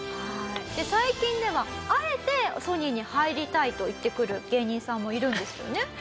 最近ではあえてソニーに入りたいと言ってくる芸人さんもいるんですよね？